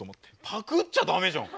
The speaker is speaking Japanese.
パクっちゃダメじゃん。